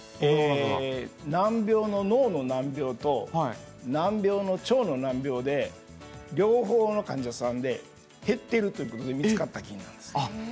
脳の難病と腸の難病で両方の患者さんで減ってるということが見つかった菌です。